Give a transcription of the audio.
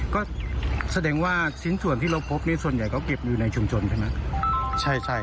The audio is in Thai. ก็แสดงว่าชิ้นส่วนที่เราพบนี่ส่วนใหญ่เขาเก็บอยู่ในชุมชนใช่ไหม